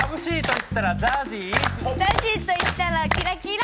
ＺＡＺＹといったらキラキラ。